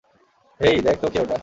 হেই, দেখ তো কে ওটা।